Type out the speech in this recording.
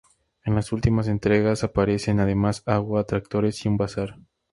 En las últimas entregas aparecen, además, agua, tractores y un bazar.